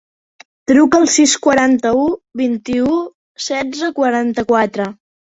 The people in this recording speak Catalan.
Truca al sis, quaranta-u, vint-i-u, setze, quaranta-quatre.